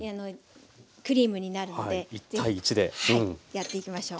やっていきましょう。